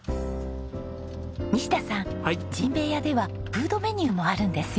西田さんじんべいやではフードメニューもあるんですよ。